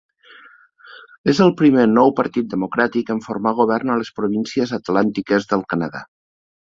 És el primer Nou Partit Democràtic en formar govern a les províncies atlàntiques del Canadà.